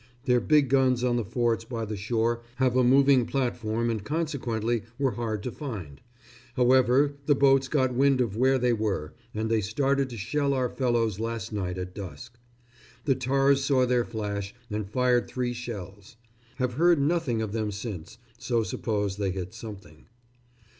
Their big guns on the forts by the shore have a moving platform and consequently were hard to find; however, the boats got wind of where they were, and they started to shell our fellows last night at dusk. The tars saw their flash and fired three shells. Have heard nothing of them since, so suppose they hit something....